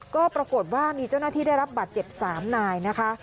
ก็ปรากฏว่ามีเจ้าหน้าที่ได้รับบาดเจ็บ๓นายนะคะ